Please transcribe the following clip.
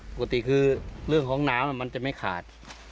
ปกติคือเรื่องของน้ำมันจะไม่ขาด